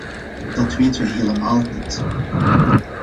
Dat weten wij helemaal niet.